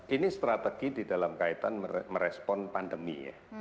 ini strategi di dalam kaitan merespon pandemi ya